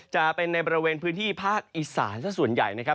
จะเป็นในบริเวณพื้นที่ภาคอิสานส่วนใหญ่